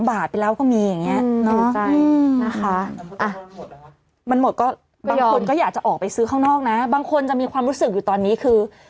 บางคนก็อยากจะออกไปซื้อข้างนอกนะบางคนจะมีความรู้สึกอยู่ตอนนี้คือ